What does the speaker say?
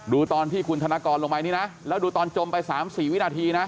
ดูตอนที่คุณธนกรลงไปนี่นะแล้วดูตอนจมไป๓๔วินาทีนะ